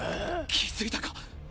気付いたか！